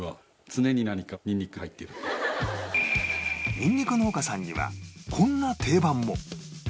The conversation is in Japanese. ニンニク農家さんにはこんな定番も